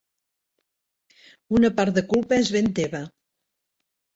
Una part de culpa és ben teva.